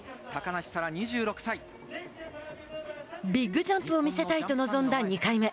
ビッグジャンプを見せたいと臨んだ２回目。